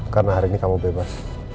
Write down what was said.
karena hari ini kamu bebas